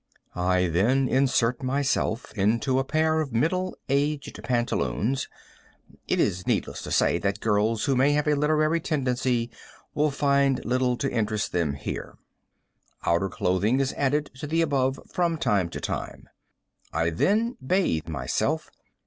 I then insert myself into a pair of middle aged pantaloons. It is needless to say that girls who may have a literary tendency will find little to interest them here. Other clothing is added to the above from time to time. I then bathe myself.